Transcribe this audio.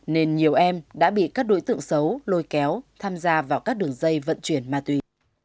nên nhiều em đã bị các đối tượng xấu lôi kéo tham gia vào các đường dây vận chuyển ma túy